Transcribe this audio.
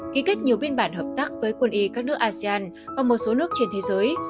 ký kết nhiều biên bản hợp tác với quân y các nước asean và một số nước trên thế giới